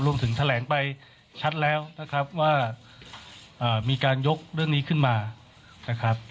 แถลงไปชัดแล้วนะครับว่ามีการยกเรื่องนี้ขึ้นมานะครับ